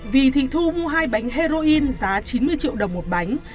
vì thị thu mua hai bánh heroin giá chín mươi triệu đồng một bánh